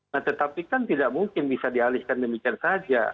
nah tetapi kan tidak mungkin bisa dialihkan demikian saja